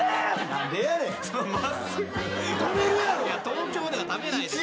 東京では食べないです。